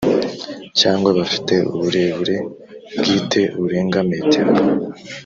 cyangwa bifite uburebure bwite burenga metero